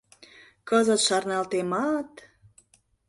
Кызыт шарналтемат...